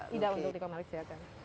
tidak untuk dikomersilkan